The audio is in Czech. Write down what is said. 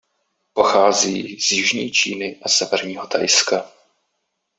Pochází z jižní Číny a severního Thajska.